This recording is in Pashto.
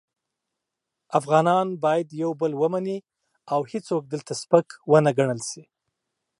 افغانان باید یو بل ومني او هیڅوک دلته سپک و نه ګڼل شي.